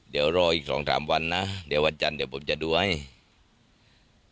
เดี๋ยวรออีกสองถามวันนะวันจันทร์วันเดียวผมจะดูไอ้